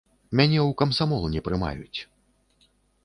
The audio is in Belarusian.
Мяне ў камсамол не прымаюць.